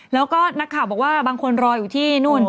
แล้วก็นักข่าวบอกว่าบางคนรออยู่ที่นู่น